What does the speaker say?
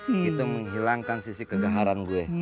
itu menghilangkan sisi kegeharan gue